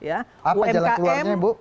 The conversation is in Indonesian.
apa jalan keluarnya ibu